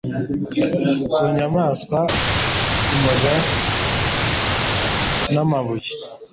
Ku nyamaswa umuja namabuye